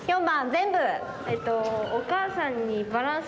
全部。